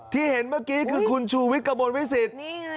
ที่เห็นเมื่อกี้คือคุณชูวิกกระบวนวิสิทธิ์